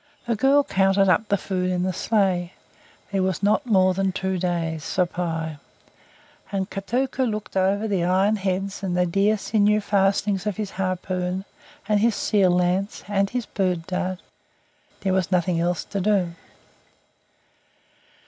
The girl counted up the food in the sleigh; there was not more than two days' supply, and Kotuko looked over the iron heads and the deer sinew fastenings of his harpoon and his seal lance and his bird dart. There was nothing else to do.